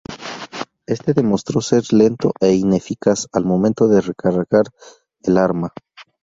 Este demostró ser lento e ineficaz al momento de recargar el arma.